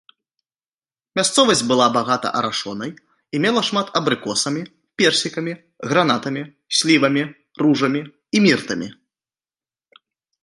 Мясцовасць была багата арашонай і мела шмат абрыкосамі, персікамі, гранатамі, слівамі, ружамі і міртамі.